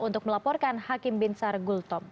untuk melaporkan hakim binsar gultom